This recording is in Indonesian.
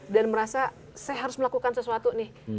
dan merasa saya harus melakukan sesuatu nih